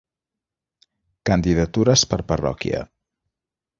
Candidatures per parròquia.